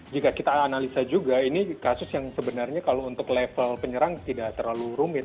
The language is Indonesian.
jika kita analisa juga ini kasus yang sebenarnya kalau untuk level penyerang tidak terlalu rumit